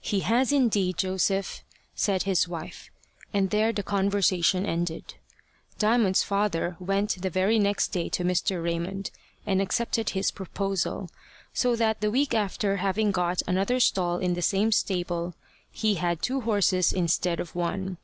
"He has indeed, Joseph," said his wife, and there the conversation ended. Diamond's father went the very next day to Mr. Raymond, and accepted his proposal; so that the week after having got another stall in the same stable, he had two horses instead of one.